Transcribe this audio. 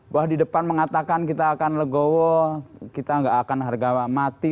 bahwa di depan mengatakan kita akan legowo kita nggak akan harga mati